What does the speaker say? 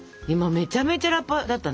めちゃめちゃラッパーだった？